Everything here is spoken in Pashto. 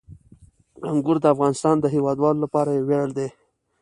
انګور د افغانستان د هیوادوالو لپاره یو ویاړ دی.